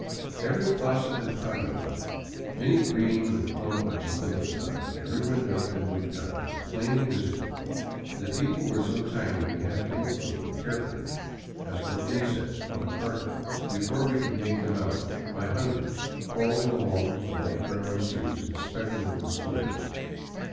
Every plaza and patio, many green with a clump of eucalypti, every window and roof tile, was plainly visible. The people were so tiny we had to look for them carefully, as for ► insects on a carpet, before we could make them out by hundreds crawling along the light brown streets and specking the squares.